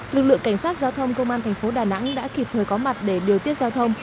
lực lượng cảnh sát giao thông công an thành phố đà nẵng đã kịp thời có mặt để điều tiết giao thông